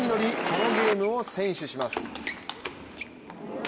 このゲームを先取します。